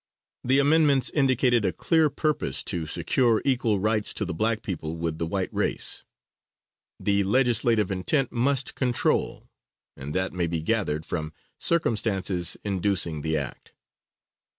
The amendments indicated a clear purpose to secure equal rights to the black people with the white race. The legislative intent must control, and that may be gathered from circumstances inducing the act.